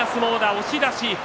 押し出し。